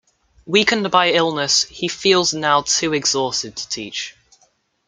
Weakened by illness, he feels now too exhausted to teach.